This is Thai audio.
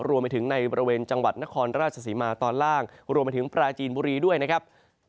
รวมไปถึงในบริเวณจังหวัดนครราชศรีมาตอนล่างรวมไปถึงปราจีนบุรีด้วยนะครับ